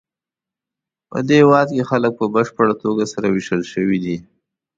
پدې هېواد کې خلک په بشپړه توګه سره وېشل شوي دي.